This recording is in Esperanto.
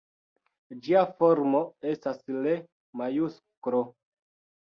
Ĝia formo estas L-majusklo.